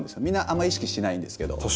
みんなあんまり意識しないんですけど。